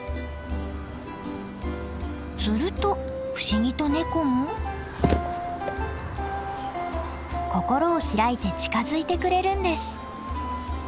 すると不思議とネコも心を開いて近づいてくれるんです。